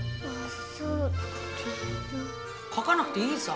書かなくていいさ。